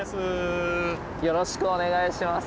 よろしくお願いします。